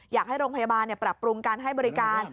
อยากให้โรงพยาบาลปรับปรุงการให้บริการ